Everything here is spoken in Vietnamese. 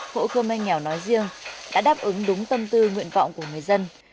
hộ khơ me nghèo nói riêng đã đáp ứng đúng tâm tư nguyện vọng của người dân